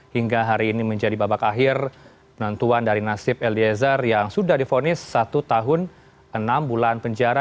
hingga hari ini menjadi babak akhir penentuan dari nasib eliezer yang sudah difonis satu tahun enam bulan penjara